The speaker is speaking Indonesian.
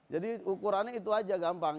jadi ukurannya itu saja gampang